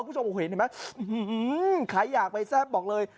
คุณผู้ชมเห็นเห็นไหมใครอยากไปแซ่บบอกเลย